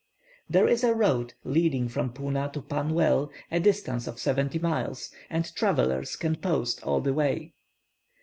There is a road leading from Puna to Pannwell, a distance of seventy miles, and travellers can post all the way.